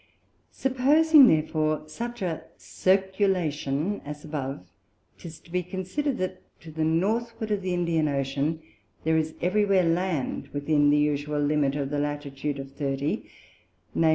Supposing therefore such a Circulation, as above, 'tis to be considered that to the Northward of the Indian Ocean there is every where Land within the usual limit of the Latitude of 30, _viz.